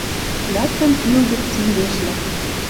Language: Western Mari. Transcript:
Лӓктӹн тил гӹц мӹнгешлӓ